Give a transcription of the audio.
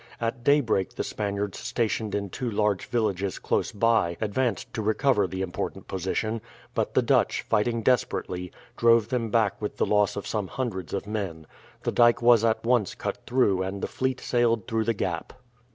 At daybreak the Spaniards stationed in two large villages close by advanced to recover the important position, but the Dutch, fighting desperately, drove them back with the loss of some hundreds of men. The dyke was at once cut through and the fleet sailed through the gap.